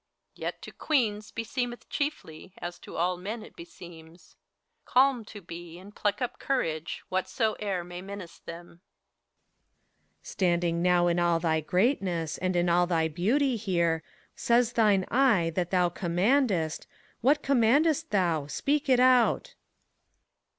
Yet to Queens beseemeth chiefly, as to all men it beseems. Calm to be, and pluck up courage, whatsoe'er may menace them. PHORKYAS. Standing now in all thy greatness, and in all thy beauty, here. ACT III. 147 Says thine eye that thon commandest: what oom mand'st thont speak it out!